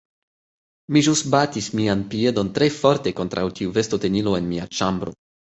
Mi ĵus batis mian piedon tre forte kontraŭ tiu vestotenilo en mia ĉambro